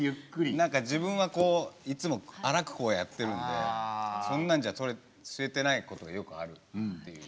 何か自分はこういつも荒くこうやってるんでそんなんじゃ吸えてないことがよくあるっていう。